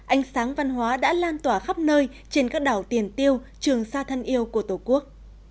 ánh sáng văn hóa đã lan tỏa khắp nơi trên các đảo tiền tiêu trường xa thân yêu của tổ quốc